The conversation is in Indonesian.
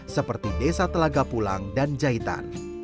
seperti desa telaga pulang dan jahitan